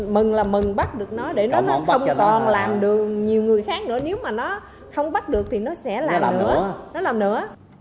mừng là mừng bắt được nó để nó không còn làm được nhiều người khác nữa nếu mà nó không bắt được thì nó sẽ làm nữa